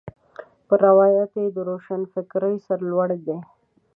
پر روایتونو یې د روښنفکرۍ سر لوړ دی.